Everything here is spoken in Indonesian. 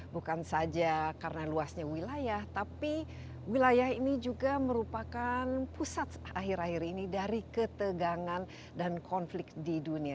bukan saja karena luasnya wilayah tapi wilayah ini juga merupakan pusat akhir akhir ini dari ketegangan dan konflik di dunia